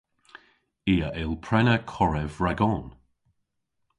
I a yll prena korev ragon.